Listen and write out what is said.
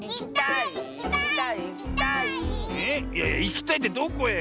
いやいやいきたいってどこへよ？